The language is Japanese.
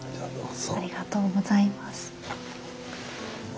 ありがとうございます。